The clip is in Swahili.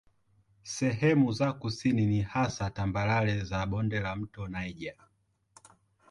Sehemu za kusini ni hasa tambarare za bonde la mto Niger.